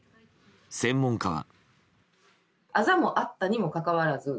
専門家は。